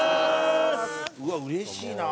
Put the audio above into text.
うわっうれしいな。